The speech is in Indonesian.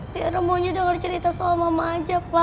tiara maunya dengar cerita soal mama aja pak